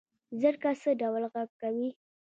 زرکه څه ډول غږ کوي؟